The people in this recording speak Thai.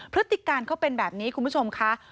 พฤติการเขาเป็นแบบนี้คุณผู้ชมค่ะ